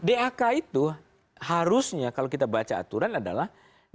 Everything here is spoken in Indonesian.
dak itu harusnya kalau kita baca aturan adalah daerah yang mengajukan kegiatan